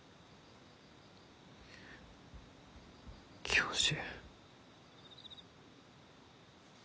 教授。